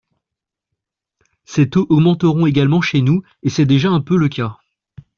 Ces taux augmenteront également chez nous, et c’est déjà un peu le cas.